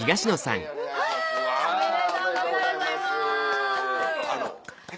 おめでとうございます！